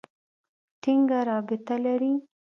ټینګه رابطه لري.